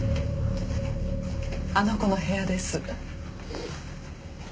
あの子の部屋です。